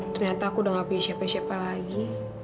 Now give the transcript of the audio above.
ternyata aku udah gak punya siapa siapa lagi